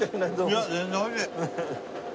いや全然おいしい。